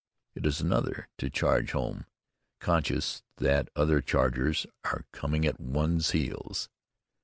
It is another to charge home conscious that other chargers are coming at one's heels.